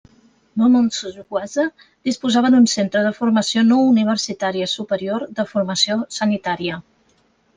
Beaumont-sur-Oise disposava d'un centre de formació no universitària superior de formació sanitària.